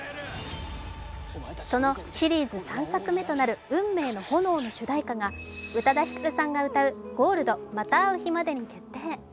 そのシリーズ３作目となる「運命の炎」の主題歌が、宇多田ヒカルさんが歌う「Ｇｏｌｄまた逢う日まで」に決定。